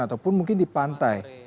ataupun mungkin di pantai